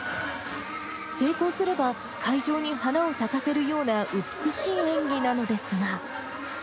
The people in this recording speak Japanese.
成功すれば、会場に花を咲かせるような美しい演技なのですが。